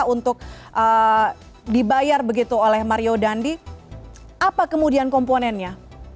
untuk dibayar begitu oleh mario dandi apa kemudian komponennya